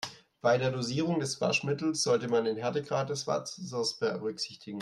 Bei der Dosierung des Waschmittels sollte man den Härtegrad des Wassers berücksichtigen.